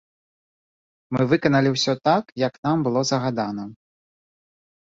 Мы выканалі ўсё так, як нам было загадана.